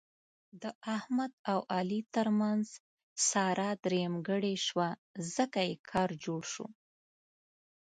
د احمد او علي ترمنځ ساره درېیمګړې شوه، ځکه یې کار جوړ شو.